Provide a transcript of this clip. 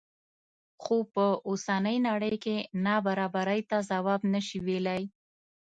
خو په اوسنۍ نړۍ کې نابرابرۍ ته ځواب نه شي ویلی.